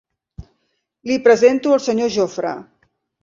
Li presento el Senyor Jofre.